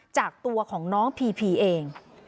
จากตัวของน้องพีพีเอง